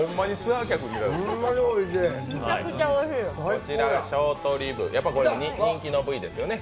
こちらがショートリブ、やはり人気の部位ですよね。